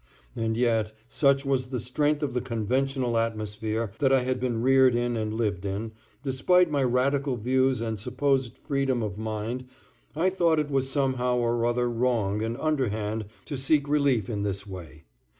And yet, such was the strength of the conventional atmosphere that I had been reared in and lived in, despite my radical views and supposed freedom of mind, I thought it was somehow or other wrong and underhand to seek relief in this way.